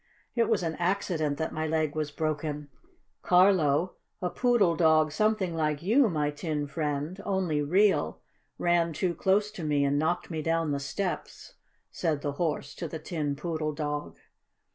It was an accident that my leg was broken. Carlo, a poodle dog something like you, my tin friend, only real, ran too close to me and knocked me down the steps," said the Horse to the Tin Poodle Dog.